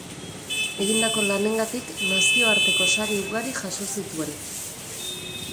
Egindako lanengatik nazioarteko sari ugari jaso zituen.